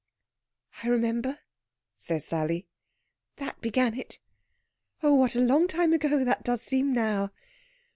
"I remember," says Sally. "That began it. Oh, what a long time ago that does seem now!